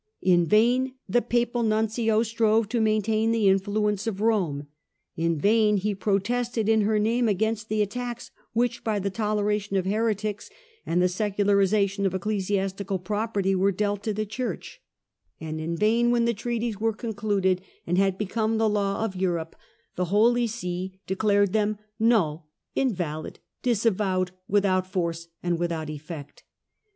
In vain the papal nuncio strove to maintain the influence of Rome ; in vain he protested in her name against the attacks which by the toleration of heretics and the secularisation of ecclesiastical property were dealt to the Church ; and in vain, when the treaties were concluded and had become the law of Europe, the Holy See declared them 'null, invalid, disavowed, without force, and without effect.